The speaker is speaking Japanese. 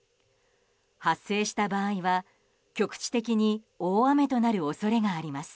発生した場合は局地的に大雨となる恐れがあります。